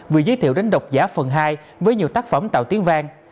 vừa giới thiệu đến độc giả phần hai với nhiều tác phẩm tạo tiếng vang